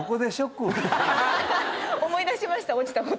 思い出しました落ちたことを。